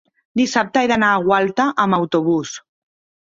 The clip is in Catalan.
dissabte he d'anar a Gualta amb autobús.